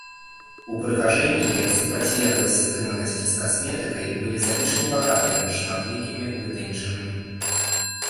Упрыгажэнні, як супрацьлегласць стрыманасці з касметыкай, былі залішне багатымі, шматлікімі, вытанчанымі.